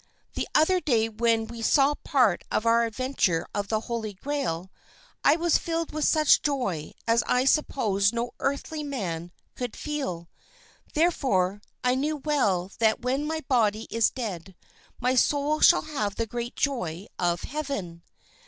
"The other day when we saw part of our adventures of the Holy Grail, I was filled with such joy as I supposed no earthly man could feel; therefore, I know well that when my body is dead, my soul shall have the great joy of heaven."